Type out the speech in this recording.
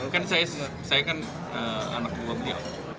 kan saya kan anak buah beliau